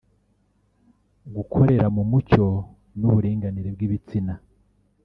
gukorera mu mucyo n’uburinganire bw’ibitsina